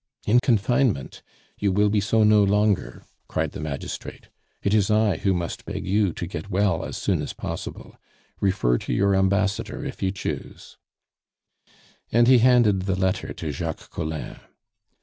"In confinement! You will be so no longer," cried the magistrate. "It is I who must beg you to get well as soon as possible. Refer to your ambassador if you choose " And he handed the letter to Jacques Collin.